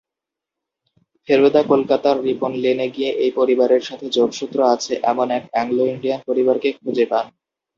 ফেলুদা কলকাতার রিপন লেনে গিয়ে এই পরিবারের সাথে যোগসূত্র আছে এমন এক অ্যাংলো-ইন্ডিয়ান পরিবারকে খুঁজে পান।